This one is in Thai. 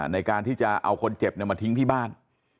ในการที่จะเอาคนเจ็บมาทิ้งที่บ้าน